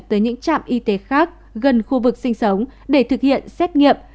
tới những trạm y tế khác gần khu vực sinh sống để thực hiện xét nghiệm